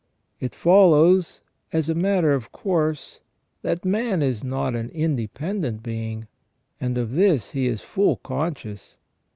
It follows, as a 4 ON THE NATURE OF MAN. matter of course, that man is not an independent being ; and of this he is full conscious.